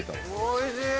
「おいしい！」